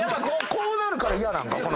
こうなるから嫌なんか？